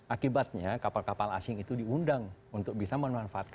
akibatnya kapal kapal asing itu diundang untuk bisa menanfaatkan zona ekonomi kita